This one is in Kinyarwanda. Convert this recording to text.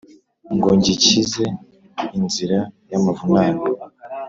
Ngo ngikize inzira y'amavunane